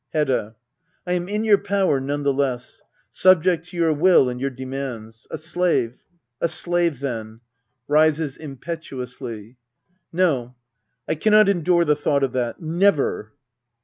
Hedda. I am in your power none the less. Subject to your will and your demands. A slave, a slave then ! [Rises impetuously.] No, I cannot endure the thought of that ! Never